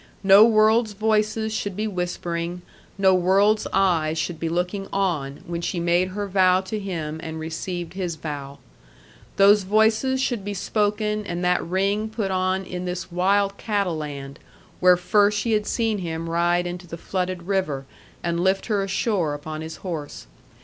No world's voices should be whispering, no world's eyes should be looking on, when she made her vow to him and received his vow. Those voices should be spoken and that ring put on in this wild Cattle Land, where first she had seen him ride into the flooded river, and lift her ashore upon his horse.